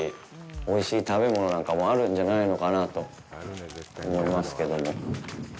おいしい食べ物なんかもあるんじゃないのかなと思いますけども。